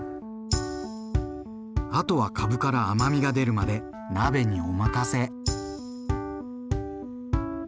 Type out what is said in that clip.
あとはかぶから甘みが出るまで鍋にお任せ。